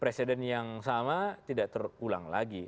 presiden yang sama tidak terulang lagi